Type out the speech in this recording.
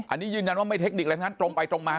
อันนี้ยืนยันว่าไม่เทคนิคแล้วก็ตรงไปตรงมา